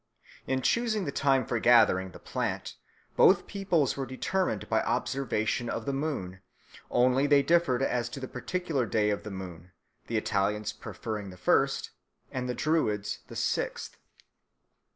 In choosing the time for gathering the plant, both peoples were determined by observation of the moon; only they differed as to the particular day of the moon, the Italians preferring the first, and the Druids the sixth.